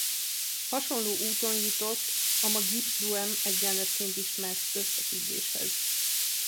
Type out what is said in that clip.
Hasonló úton jutott a ma Gibbs-Duhem egyenletként ismert összefüggéshez.